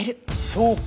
そうか！